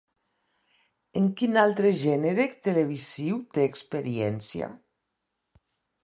En quin altre gènere televisiu té experiència?